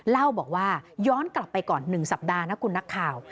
เล่าบอกว่าย้อนกลับไปก่อน๑สัปดาห์นะคุณนักข่าว